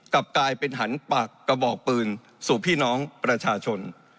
กลับกลายเป็นหันปากกระบอกปืนสู่พี่น้องประชาชน